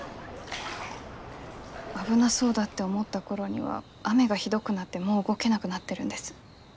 危なそうだって思った頃には雨がひどくなってもう動けなくなってるんです。